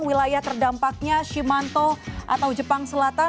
wilayah terdampaknya shimanto atau jepang selatan